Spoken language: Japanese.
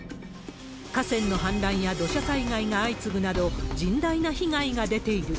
河川の氾濫や土砂災害が相次ぐなど、甚大な被害が出ている。